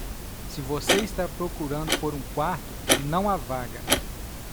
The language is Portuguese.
Se você está procurando por um quarto, não há vaga.